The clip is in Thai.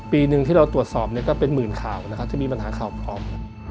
ปีหนึ่งที่เราตรวจสอบก็เป็นหมื่นข่าวนะครับที่มีปัญหาข่าวพร้อม